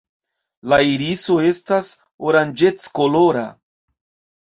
La iriso estas oranĝeckolora.